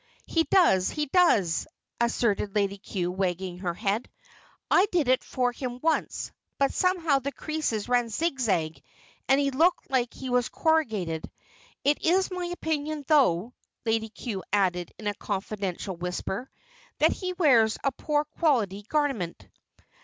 "He does, he does," asserted Lady Cue wagging her head. "I did it for him once, but somehow the creases ran zig zag and he looked like he was corrugated. It is my opinion, though," Lady Cue added in a confidential whisper, "that he wears a poor quality garment."